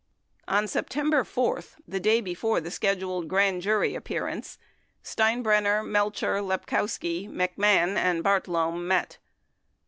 29 On September 4, the day before the scheduled grand jury appear ance, Steinbrenner, Melcher, Lepkowski, McMahon, and Bartlome met.